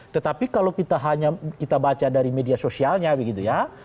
tetapi kalau kita baca dari media sosialnya gitu ya